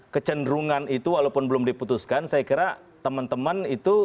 kecenderungan itu walaupun belum diputuskan saya kira teman teman itu